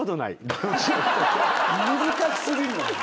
難し過ぎるのよ。